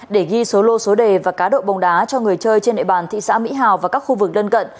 để ghi số lô số đề và cá độ bồng đá cho người chơi trên nệ bàn thị xã mỹ hảo và các khu vực gần gần